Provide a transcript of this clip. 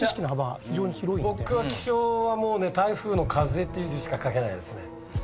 僕は気象はもうね台風の「風」っていう字しか書けないですね。